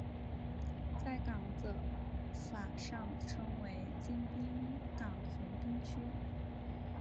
在港则法上称为京滨港横滨区。